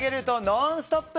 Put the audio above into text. ノンストップ！